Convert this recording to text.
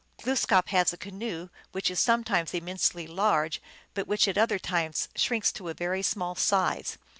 Glooskap has a canoe, which is sometimes immensely large, but which at other times shrinks to a very small size.